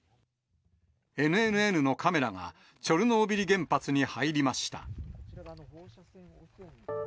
ＮＮＮのカメラが、チョルノービリ原発に入りました。